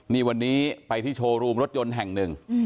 นี่วันนี้ไปที่โชว์รูมรถยนต์แห่งหนึ่ง